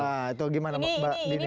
wah itu gimana mbak dini